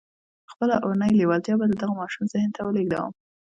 خپله اورنۍ لېوالتیا به د دغه ماشوم ذهن ته ولېږدوم.